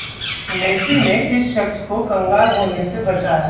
Messi ने इस शख्स को कंगाल होने से बचाया